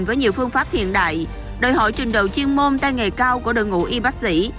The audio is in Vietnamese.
với nhiều phương pháp hiện đại đòi hỏi trình độ chuyên môn tay nghề cao của đội ngũ y bác sĩ